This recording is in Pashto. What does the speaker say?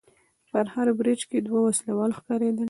په هر برج کې دوه وسلوال ښکارېدل.